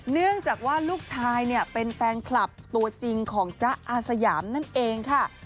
เนื่องจากว่าลูกชายเนี่ยเป็นแฟนคลับตัวจริงของจ๊ะอาสยามนั่นเองค่ะ